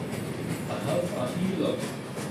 A half a heelot!